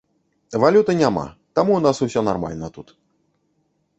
Валюты няма, таму ў нас усё нармальна тут.